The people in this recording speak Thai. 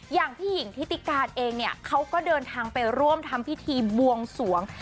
อย่างพี่หญิงทิติการเองเนี่ยเขาก็เดินทางไปร่วมทำพิธีบวงสวง